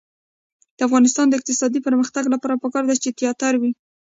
د افغانستان د اقتصادي پرمختګ لپاره پکار ده چې تیاتر وي.